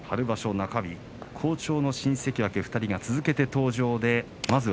春場所、中日好調の新関脇２人が続けて登場です。